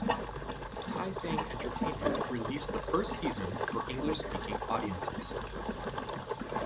Taiseng Entertainment released the first season for English-speaking audiences.